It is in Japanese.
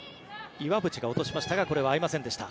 岩渕が落としましたがこれは合いませんでした。